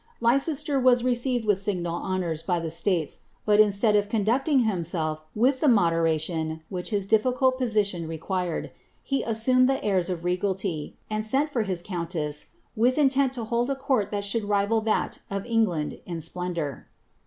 Leicester was received with signal honours by the states, bat instead of conducting himself with the moderation which his difficult position required, he assumed the airs of regality, and sent for hit countess, with intent to hold a court that should rival that of EngUad in splendour.'